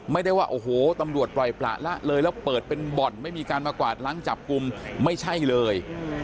ไม่ได้ว่าโอ้โหตำรวจปล่อยปละละเลยแล้วเปิดเป็นบ่อนไม่มีการมากวาดล้างจับกลุ่มไม่ใช่เลย